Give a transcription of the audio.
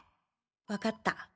わかった。